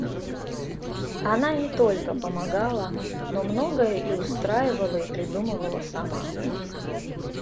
Она не только помогала, но многое и устраивала и придумывала сама.